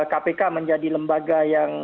kpk menjadi lembaga